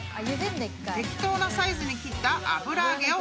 ［適当なサイズに切った］